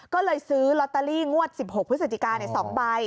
ก็เลยซื้อลอตเตอรี่งวด๑๖พฤศจิกา๒ใบ